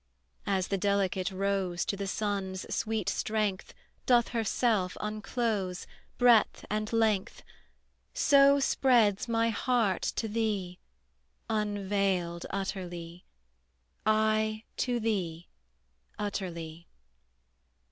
As the delicate rose To the sun's sweet strength Doth herself unclose, Breadth and length: So spreads my heart to thee Unveiled utterly, I to thee Utterly.